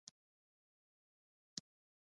د عدالت لپاره څوک اړین دی؟